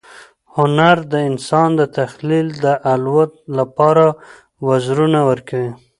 هنر د انسان د تخیل د الوت لپاره وزرونه ورکوي.